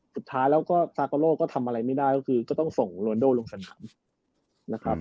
สุดท้ายแล้วก็ซาโกโลก็ทำอะไรไม่ได้ก็คือก็ต้องส่งโรนโดลงสนามนะครับ